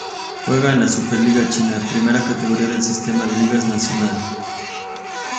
Juega en la Super Liga China, primera categoría del sistema de ligas nacional.